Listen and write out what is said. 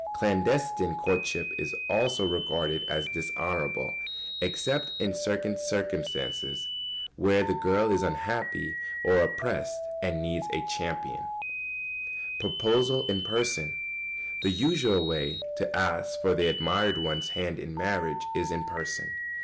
Clandestine courtship is also regarded as dishonourable, except in circumstances where the girl is unhappy or oppressed and needs a champion. [Sidenote: Proposal in person.] The usual way to ask for the admired one's hand in marriage is in person.